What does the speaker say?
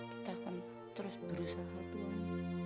kita akan terus berusaha tuhan